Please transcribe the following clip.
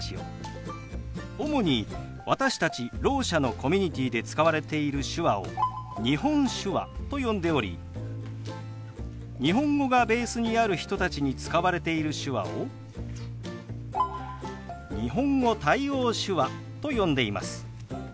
主に私たちろう者のコミュニティーで使われている手話を日本手話と呼んでおり日本語がベースにある人たちに使われている手話を日本語対応手話と呼んでいます。